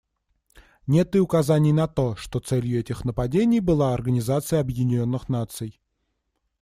Нет и указаний на то, что целью этих нападений была Организация Объединенных Наций.